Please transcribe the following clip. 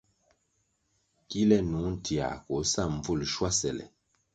Kile nung tiãh koh sa mbvul le schuasele.